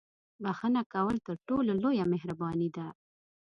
• بښنه کول تر ټولو لویه مهرباني ده.